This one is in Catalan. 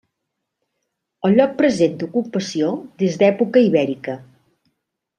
El lloc presenta ocupació des d'època ibèrica.